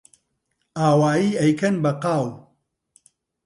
ئاوایی ئەیکەن بە قاو